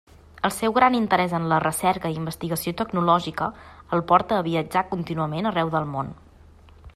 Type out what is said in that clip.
El seu gran interès en la recerca i investigació tecnològica el porta a viatjar contínuament arreu del món.